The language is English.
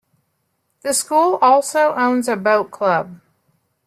The school also owns a boat club.